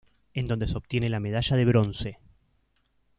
En donde se obtiene la medalla de bronce.